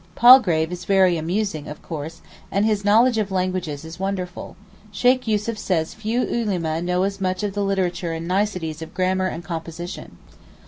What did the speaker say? Palgrave is very amusing of course, and his knowledge of languages is wonderful, Sheykh Yussuf says few Ulema know as much of the literature and niceties of grammar and composition.